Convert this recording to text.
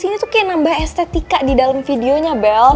sini tuh kayak nambah estetika di dalam videonya bel